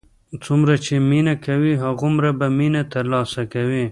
څومره چې مینه کوې، هماغومره به مینه تر لاسه کوې.